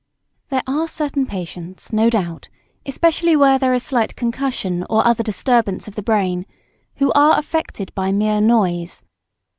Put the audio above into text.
There are certain patients, no doubt, especially where there is slight concussion or other disturbance of the brain, who are affected by mere noise.